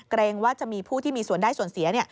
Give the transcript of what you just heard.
เกรงว่าจะมีผู้ที่มีส่วนได้ส่วนเสีย